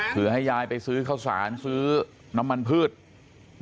เพื่อให้ยายไปซื้อข้าวสารซื้อน้ำมันพืช